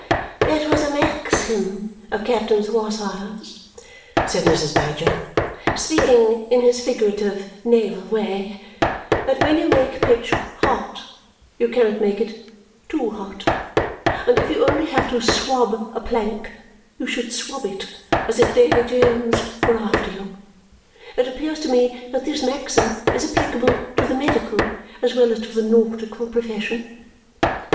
"It was a maxim of Captain Swosser's," said Mrs. Badger, "speaking in his figurative naval manner, that when you make pitch hot, you cannot make it too hot; and that if you only have to swab a plank, you should swab it as if Davy Jones were after you. It appears to me that this maxim is applicable to the medical as well as to the nautical profession.